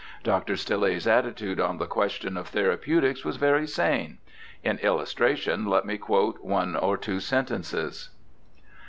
Dr. Stille's attitude on the question of thera peutics was very sane. In illustration, let me quote one or two sentences.